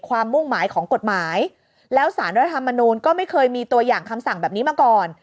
มุ่งหมายของกฎหมายแล้วสารรัฐธรรมนูลก็ไม่เคยมีตัวอย่างคำสั่งแบบนี้มาก่อน